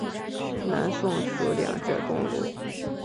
南宋属两浙东路。